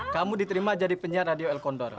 kamu diterima jadi penyiar radio el sneez ii